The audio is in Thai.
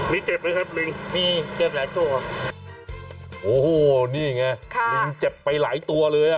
มีเจ็บไหมครับลิงมีเลือดหลายตัวโอ้โหนี่ไงลิงเจ็บไปหลายตัวเลยอ่ะ